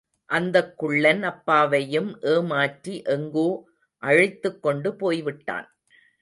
அந்தக் குள்ளன் அப்பாவையும் ஏமாற்றி எங்கோ அழைத்துக்கொண்டு போய்விட்டான்.